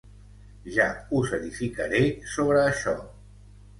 Ja us edificaré sobre això.